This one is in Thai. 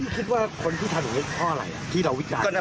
คุณคิดว่าคนที่ถาดนี้เป็นข้ออะไรที่เราวิจัย